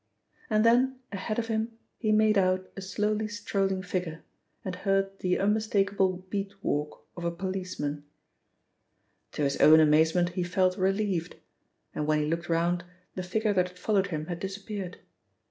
And then ahead of him he made out a slowly strolling figure, and heard the unmistakable "beat walk" of a policeman. To his own amazement he felt relieved, and when he looked round, the figure that had followed him had disappeared.